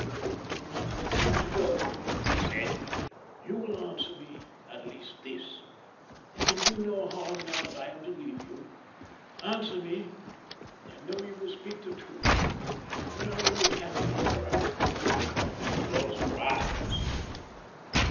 "But before I go," he said, "will you answer me, at least, this it can do no harm now that I am to leave you answer me, and I know you will speak the truth: Are you happy, Laura?" She closed her eyes.